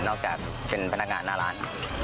อกจากเป็นพนักงานหน้าร้าน